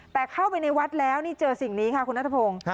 แต่เข้าไปในวัดแล้วนี่เจอสิ่งนี้ค่ะคุณนัทพงศ์